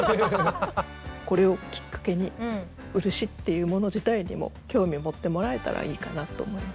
これをきっかけに漆っていうもの自体にも興味を持ってもらえたらいいかなと思います。